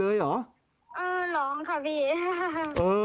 เออร้องค่ะพี่